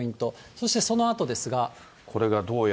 そしてそのあとですが。